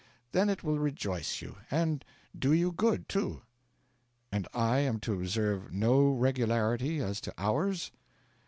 Then it will rejoice you and do you good, too.' 'And I am to observe no regularity, as to hours?'